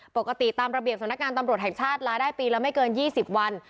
ปกติตามระเบียบสำนักงานตำรวจแห่งชาติลาได้ปีละไม่เกิน๒๐วัน